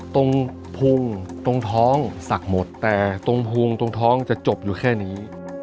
ตรงพุงตรงท้องสักหมดแต่ตรงพุงตรงท้องจะจบอยู่แค่นี้